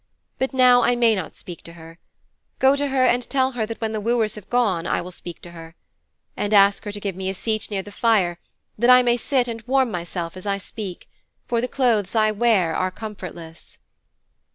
But now I may not speak to her. Go to her and tell her that when the wooers have gone I will speak to her. And ask her to give me a seat near the fire, that I may sit and warm myself as I speak, for the clothes I wear are comfortless.'